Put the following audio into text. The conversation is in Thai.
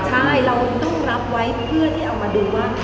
ใช่เราต้องรับไว้เพื่อที่เอามาดูว่า